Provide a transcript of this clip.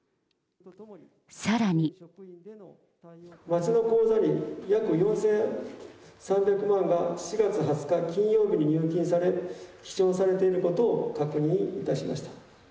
町の口座に約４３００万が、４月２０日金曜日に入金され、記帳されていることを確認いたしました。